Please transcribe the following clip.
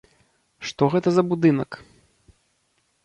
Што гэта за будынак?